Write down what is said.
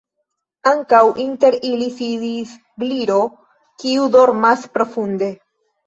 Ankaŭ inter ili sidis Gliro, kiu dormas profunde.